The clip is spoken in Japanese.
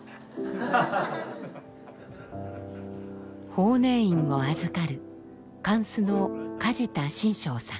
法然院を預かる貫主の梶田真章さん。